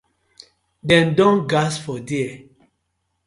De don don gas for dier.